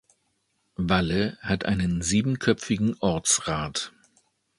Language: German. Walle hat einen siebenköpfigen Ortsrat.